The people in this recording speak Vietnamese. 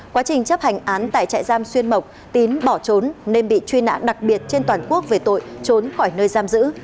quá trình chấp hành án tại trại giam xuyên mộc tín bỏ trốn nên bị truy nã đặc biệt trên toàn quốc về tội trốn khỏi nơi giam giữ